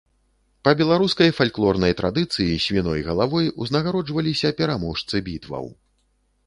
Па беларускай фальклорнай традыцыі, свіной галавой узнагароджваліся пераможцы бітваў.